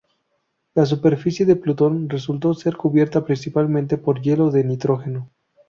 La superficie de Plutón resultó ser cubierta principalmente por hielo de Nitrógeno.